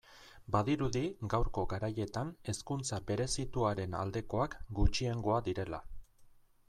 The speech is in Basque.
Badirudi gaurko garaietan hezkuntza berezituaren aldekoak gutxiengoa direla.